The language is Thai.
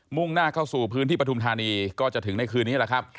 ่งหน้าเข้าสู่พื้นที่ปฐุมธานีก็จะถึงในคืนนี้แหละครับ